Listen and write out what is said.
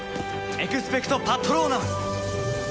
エクスペクト・パトローナム！